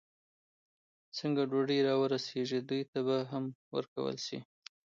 څنګه ډوډۍ را ورسېږي، دوی ته به هم ورکول شي.